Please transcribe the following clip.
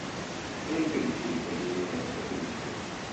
Non impedisce di condurre una vita felice.